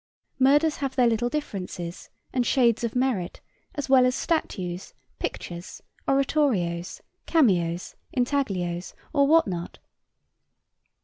Murders have their little differences and shades of merit as well as statues, pictures, oratorios, cameos, intaglios, or what not.